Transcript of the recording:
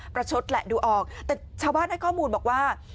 ชดแหละดูออกแต่ชาวบ้านให้ข้อมูลบอกว่า